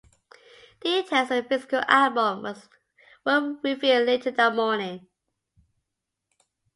Details on the physical album were revealed later that morning.